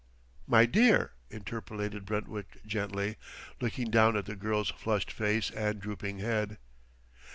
"My dear!" interpolated Brentwick gently, looking down at the girl's flushed face and drooping head.